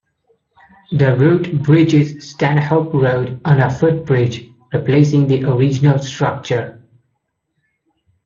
The route bridges Stanhope Road on a footbridge replacing the original structure.